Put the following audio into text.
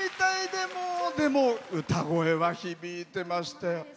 でも、歌声は響いてまして。